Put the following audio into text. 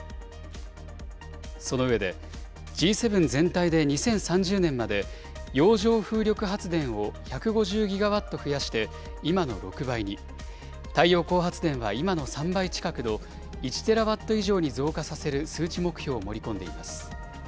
その上で、Ｇ７全体で２０３０年まで、洋上風力発電を１５０ギガワット増やして今の６倍に、太陽光発電は今の３倍近くの１テラワット以上に増加させる数値目標を盛り込んでいます。